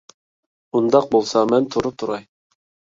ئۇنداق بولسا مەن تۇرۇپ تۇراي.